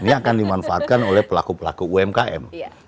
ini akan dimanfaatkan oleh pelaku pelaku umkm